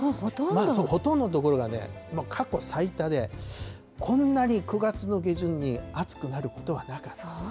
ほとんどの所がね、過去最多で、こんなに９月の下旬に暑くなることはなかったですね。